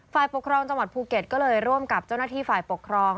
ฝ่ายปกครองจังหวัดภูเก็ตก็เลยร่วมกับเจ้าหน้าที่ฝ่ายปกครอง